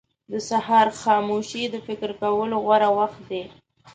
• د سهار خاموشي د فکر کولو غوره وخت دی.